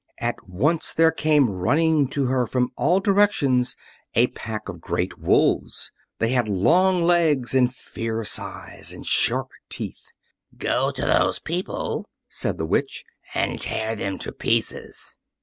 At once there came running to her from all directions a pack of great wolves. They had long legs and fierce eyes and sharp teeth. "Go to those people," said the Witch, "and tear them to pieces."